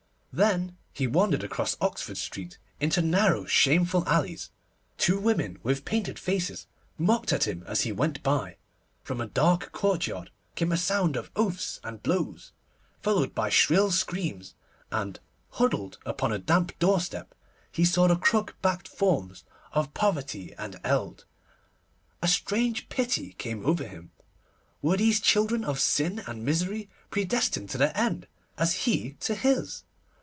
Then he wandered across Oxford Street into narrow, shameful alleys. Two women with painted faces mocked at him as he went by. From a dark courtyard came a sound of oaths and blows, followed by shrill screams, and, huddled upon a damp door step, he saw the crook backed forms of poverty and eld. A strange pity came over him. Were these children of sin and misery predestined to their end, as he to his?